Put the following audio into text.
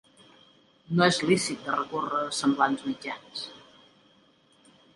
No és lícit de recórrer a semblants mitjans.